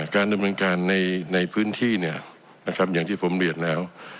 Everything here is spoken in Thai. การดำเนินการในพื้นที่อย่างที่ผมเรียนแล้ว